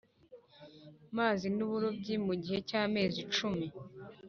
mazi n uburobyi mu gihe cy amezi cumi